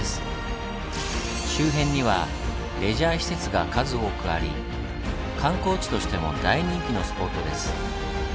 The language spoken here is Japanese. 周辺にはレジャー施設が数多くあり観光地としても大人気のスポットです。